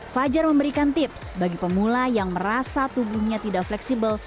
fajar memberikan tips bagi pemula yang merasa tubuhnya tidak fleksibel